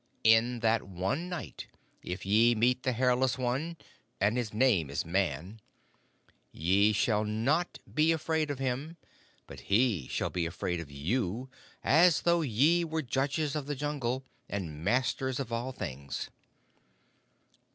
In that one night, if ye meet the Hairless One and his name is Man ye shall not be afraid of him, but he shall be afraid of you, as though ye were judges of the Jungle and masters of all things.